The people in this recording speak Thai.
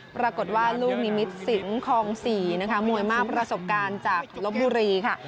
ปรากฏว่าลูกนิมิตรสิงคลอง๔นะคะมวยมากประสบการณ์จากลบบุรีค่ะ